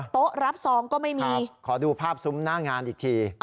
โต๊ะรับซองก็ไม่มีขอดูภาพซุ้มหน้างานอีกที